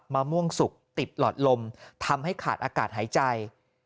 มะม่วงสุกติดหลอดลมทำให้ขาดอากาศหายใจ